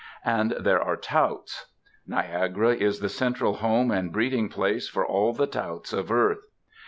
And there are Touts. Niagara is the central home and breeding place for all the touts of earth.